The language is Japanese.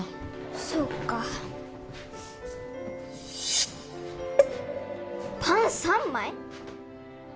そっかパン３枚！？